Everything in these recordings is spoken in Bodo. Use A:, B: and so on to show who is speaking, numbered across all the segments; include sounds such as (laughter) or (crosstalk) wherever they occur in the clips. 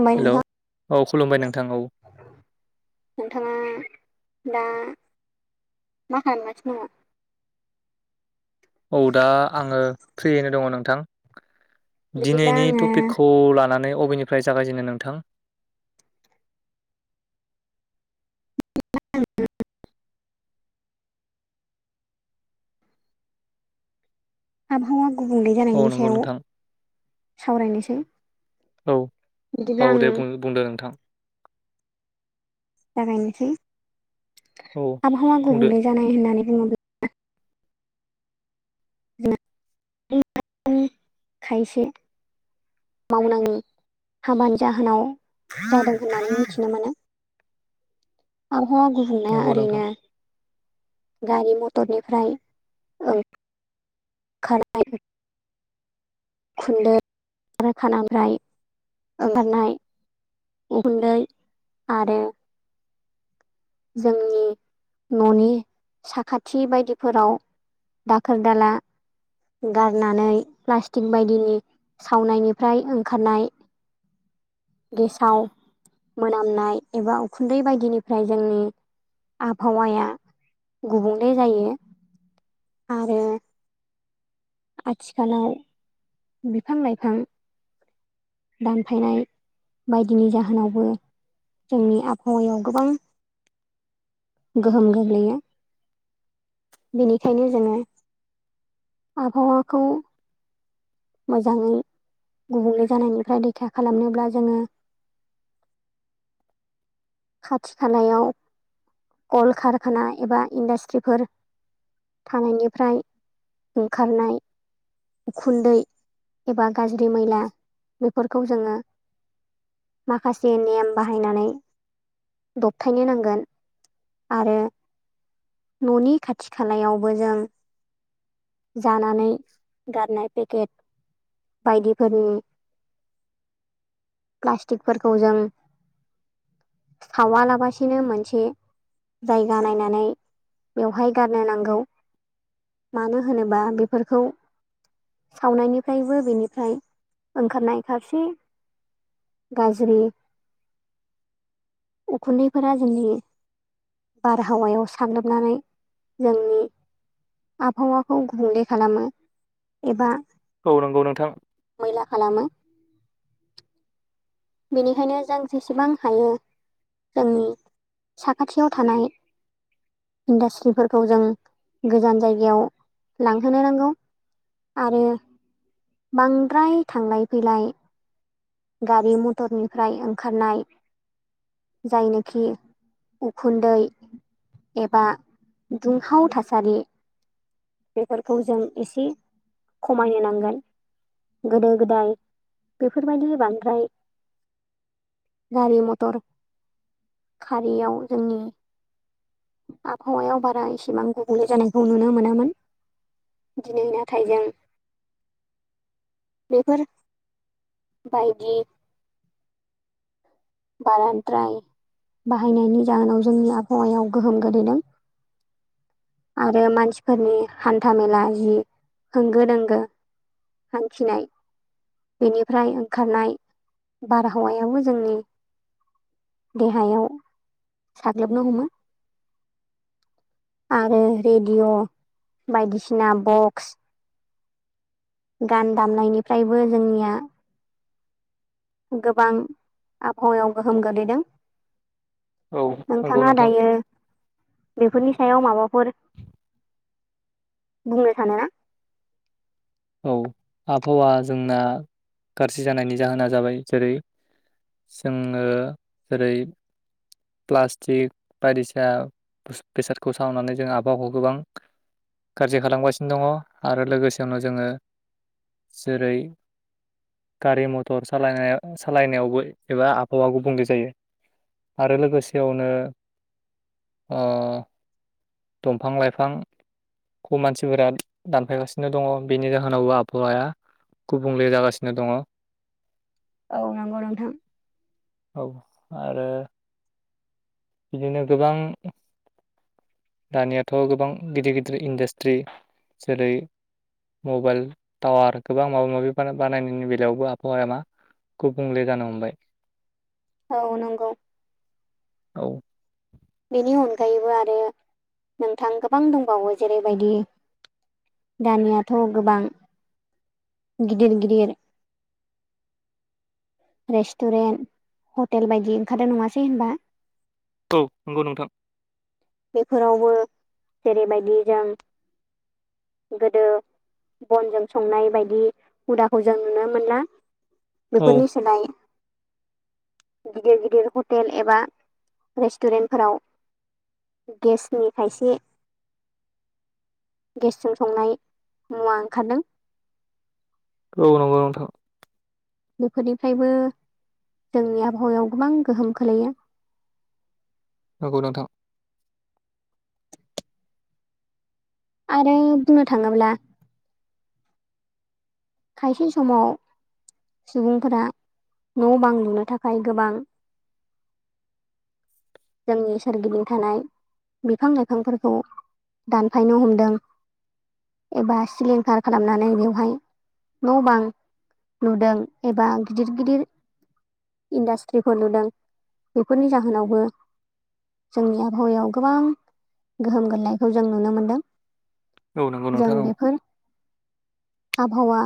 A: खोनाबाय
B: हेल'
A: नोंथां?
B: औ खुलुमबाय नोंथां औ
A: नोंथाङा दा मा खालामासिनो दङ?
B: औ दा आङो फ्रियैनो दङ नोंथां।
A: बिदिब्ला
B: दिनैनि
A: आङो
B: टपिकखौ लानानै नै अबेनिफ्राय जागायजेननो नोंथां?
A: (unintelligible) आबहावा गुबुंले
B: औ
A: जानायनि
B: नंगौ
A: सायाव
B: नोंथां
A: सावरायनोसै
B: औ औ
A: बिदिब्ला
B: दे
A: आङो
B: बुं बुंदो नोंथां
A: जागायनोसै
B: औ
A: आबहावा
B: बुंदो
A: गुबुंले जानाय होननानै बुङोब्ला (unintelligible) खायसे मावनांगौ हाबानि जाहोनाव जादों होननानै मिथिनो मोनो।
B: (inaudible)
A: आबहावा गुबुंनाया
B: नंगौ नोंथां
A: ओरैनो गारि मटरनिफ्राय ओं खारनाय उखुन्दै आरो खारखानानिफ्राय ओंखारनाय उखुन्दै आरो जोंनि न'नि साखाथि बायदिफोराव दाखोर दाला गारनानै प्लास्टिक बायदिनि सावनायनिफ्राय ओंखारनाय
B: (inaudible)
A: गेसाव मोनामनाय एबा उखुन्दै बायदिनिफ्राय जोंनि आबहावाया गुबुंले जायो। आरो आथिखालाव बिफां लाइफां दानफायनाय बायदिनि जाहोनावबो जोंनि आबहावायाव गोबां गोहोम गोग्लैयो। बेनिखायनो जोङो आबहावाखौ मोजाङै गुबुंले जानायनि फ्राय रैखा खालामनोब्ला जोङो खाथि खालायाव कल कारखाना एबा इन्डास्ट्रिफोर थानायनिफ्राय ओंखारनाय उखुन्दै एबा गाज्रि मैला बेफोरखौ जोङो माखासे नेम बाहायनानै दबथायनो नांगोन आरो न'नि खाथि खालायावबो जों जानानै गारनाय पेकेट बायदिफोरनि प्लास्टिकफोरखौ जों सावालाबासिनो मोनसे जायगा नायनानै बेवहाय गारनो नांगौ। मानो होनोबा बेफोरखौ सावनायनिफ्रायबो बेनिफ्राय ओंखारनाय खावसे गाज्रि उखुन्दैफोरा जोंनि बारहावायाव साग्लोबनानै जोंनि आबहावाखौ गुबुंले खालामो एबा
B: औ नंगौ नोंथां।
A: मैला खालामो बेनिखायनो जों जेसेबां हायो जोंनि साखाथियाव थानाय इन्डास्ट्रिफोरखौ जों गोजान जायगायाव लांहोनो नांगौ। आरो बांद्राय थांलाय फैलाय गारि मथर निफ्राय ओंखारनाय जायनोखि उखुन्दै एबा दुंहाव थासारि बेफोरखौ जों एसे खमायनो नांगोन। गोदो गोदाय बेफोरबायदि बांद्राय गारि मटर खारियाव जोंनि आबहावायाव बारा इसेबां गुबुंले जानायखौ नुनो मोनामोन। दिनै नाथाइ जों बेफोर बायदि बाराद्राय बाहायनायनि जाहोनाव जोंनि आबहावायाव गोहोम गोलैदों। आरो मानसिफोरनि हान्था मेला जि होंगो दोंगो हानथिनाय बेनिफ्राय ओंखारनाय बारहावायाबो जोंनि देहायाव साग्लोबनो हमो। आरो रेडिय' बायदिसिना बक्स गान दामनायनिफ्रायबो जोंनिया गोबां आबहावायाव गोहोम गोग्लैदों।
B: औ नंगौ
A: नोंथाङा
B: नोंथां
A: दायो बेफोरनि सायाव माबाफोर बुंनो सानोना?
B: औ आबहावा जोंना गारजि जानायनि जाहोना जाबाय जेरै जोङो जेरै प्लास्टिक बायदिसिना बेसादखौ सावनानै जों आबहावाखौ गोबां गाज्रि खालामगासिनो दङ' आरो लोगोसेयावनो जोङो जेरै गारि मथर सालायनाय सालायनायावबो एबा आबहावा गुबुंले जायो। आरो लोगोसेयावनो ओ दंफां लाइफां खम मानसिफोरा दानफायगासिनो दङ' बेनि जाहोनावबो आबहावाया गुबुंले जागासिनो दङ'
A: औ नंगौ नोंथां
B: औ आरो बिदिनो गोबां दानियाथ' गोबां गिदिर गिदिर इन्डास्ट्रि जेरै मबाइल टावार गोबां माबा माबि बानायनायनि बेलायावबो आबहावाया मा गुबुंले जानो हमबाय
A: औ नंगौ।
B: औ
A: बेनि अनगायैबो आरो नोंथां गोबां दंबावो जेरैबायदि दानियाथ' गोबां गिदिर गिदिर रेस्टुरेन्ट हटेल बायदि ओंखारदों नङासै होनबा?
B: औ नंगौ नोंथां
A: बेफोरावबो जेरैबायदि जों गोदो बनजों संनाय बायदि हुदाखौ जों नुनो मोनला बेफोरनि सोलाय
B: (inaudible)
A: गिदिर गिदिर हटेल एबा रेस्टुरेन्टफोराव गेसनि खायसे गेसजों संनाय मुवा ओंखारदों
B: औ नंगौ नोंथां।
A: बेफोरनिफ्रायबो जोंनि आबहावायाव गोबां गोहोम खोलैयो।
B: नंगौ नोंथां
A: आरो बुंनो थाङोब्ला खायसे समाव सुबुंफोरा न' बां लुनो थाखाय गोबां जोंनि सोरगिदिं थानाय बिफां लाइफांफोरखौ दानफायनो हमदों एबा सिलिंखार खालामनानै बेवहाय न' बां लुदों एबा गिदिर गिदिर इन्डास्ट्रिफोर नुदों बेफोरनि जाहोनावबो जोंनि आबहावायाव गोबां गोहोम गोग्लैनायखौ जों नुनो मोनदों
B: औ नंगौ
A: जों
B: नोंथां औ
A: बेफोर आबहावा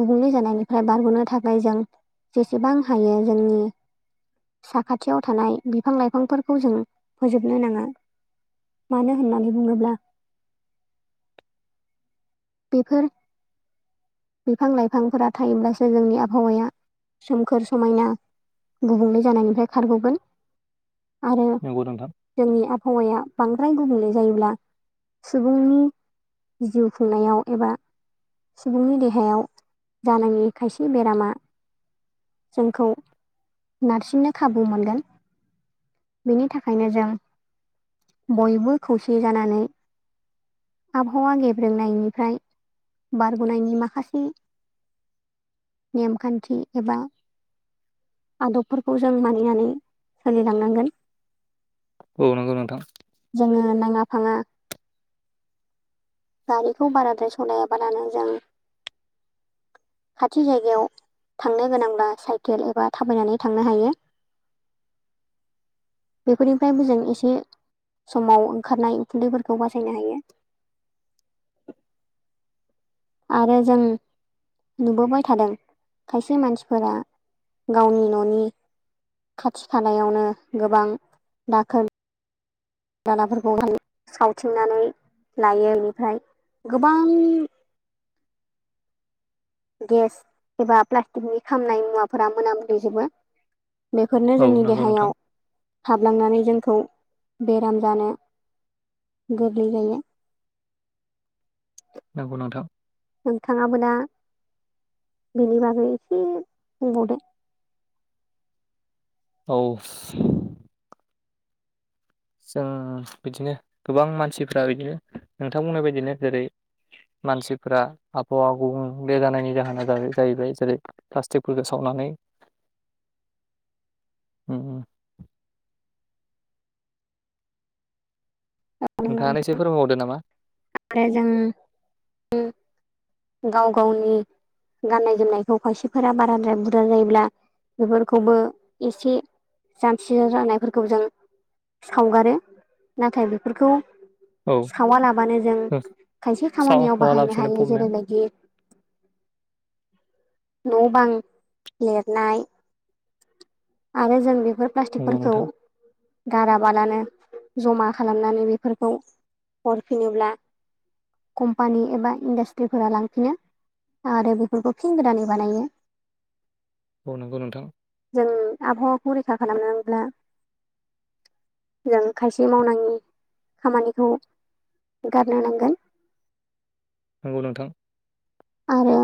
A: गुबुंले जानायनिफ्राय बारग'नो थाखाय जों जेसेबां हायो जोंनि साखाथियाव थानाय बिफां लाइ बिफांफोरखौ जों फोजोबनो नाङा मानो होननानै बुङोब्ला
B: (inaudible)
A: बेफोर बिफां लाइफांफोरा थायोब्लासो जोंनि आबहावाया सोमखोर समायना गुबुंले जानायनिफ्राय खारग'गोन आरो
B: नंगौ नोंथां
A: जोंनि हावाया बांद्राय गुबुंले जायोब्ला सुबुंनि जिउ खुंनायाव एबा सुबुंनि देहायाव जानाङि खायसे बेरामा जोंखौ नारसिननो खाबु मोनगोन बेनि थाखायनो जों बयबो खौसे जानानै आबहावा गेब्रेंनायनिफ्राय बारग'नायनि माखासे नेमखान्थि एबा आदबफोरखौ जों मानिनानै सोलिलांनांगोन
B: औ नंगौ नोंथां
A: जोङो नाङा फाङा गारिखौ बाराद्राय सालायाबालानो जों
B: (unintelligible)
A: खाथि जायगायाव थांनो गोनांब्ला साइकेल एबा थाबायनानै थांनो हायो। बेफोरनिफ्रायबो जों एसे समाव ओंखारनाय उखुन्दैफोरखौ बासायनो हायो।
B: (unintelligible)
A: आरो जों नुबोबाय थादों खायसे मानसिफोरा गावनि न'नि खाथि खालायावनो गोबां दाखोर दालाफोरखौ सावथिंनानै लायो बेनिफ्राय गोबां गेस एबा प्लास्टिकनि खामनाय मुवाफोरा मोनाामहैजोबो। बेफोरनो
B: औ
A: जोंनि
B: नंगौ नोंथां
A: देहायाव हाबलांनानै जों खौ बेराम जानो गोग्लैहोयो।
B: नंगौ नोंथां
A: नोंथाङा मोना बेनि बागै एसे बुंबावदो।
B: औ जों बिदिनो गोबां मानसिफ्रा बिदिनो नोंथां बुंनाय बायदिनो जेरै मानसिफोरा आबहावा गुबुंले जानायनि जाहोना जाहैबाय जेरै प्लास्टिकफोरखौ सावनानै (unintelligible) उम नोंथाङानो एसे फोरमायबावदो नामा?
A: ओमफ्राय जों गाव गावनि गाननाय जोमनायखौ खायसेफोरा बाराद्राय बुरजा जायोब्ला बेफोरखौबो एसे जान्थि जानायफोरखौ जों सावगारो नाथाय बेफोरखौ
B: औ
A: सावलाबानो जों खायसे खामानियाव बाहायनो
B: सावालासिनो
A: हायो
B: फबनो
A: जेरैबाय न' बां लिरनाय आरो जों बे बेफोर
B: नंगौ
A: प्लास्टिकफोरखौ
B: नोंथां
A: गाराबालानो ज'मा खालामनानै बेफोरखौ हरफिनोब्ला कम्पानि एबा इन्डास्ट्रिफोरा लांफिनो आरो बेफोरखौ फिन गोदानै बानायो
B: नंगौ नंगौ नोंथां।
A: जों आबहावाखौ रैखा खालामनोब्ला जों खायसे मावनाङै खामानिखौ गारनो नांगोन
B: नंगौ नोंथां।
A: आरो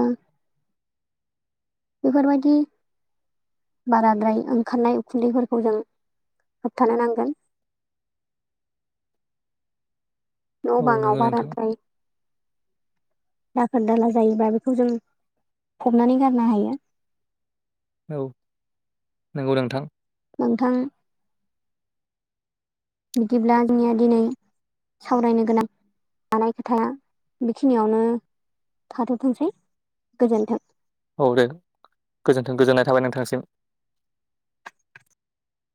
A: बेफोरबायदि बाराद्राय ओंखारनाय उखुनदैफोरखौ जों होबथानो नांगोन।
B: (inaudible)
A: न'
B: औ
A: बाङाव
B: नंगौ नोंथां
A: बाराद्राय
B: (inaudible)
A: दाखोर दाला जायोबा बेखौ जों फबनानै गारनो हायो।
B: औ नंगौ नोंथां।
A: नोंथां
B: (inaudible)
A: बिदिब्ला जोंनिया दिनै सावरायनो गोनां जानाय खोथाया बेखिनियावनो थाथ'थोंसै गोजोनथोंसै।
B: औ दे गोजोनथों गोजोननाय थाबाय नोंथांसिम।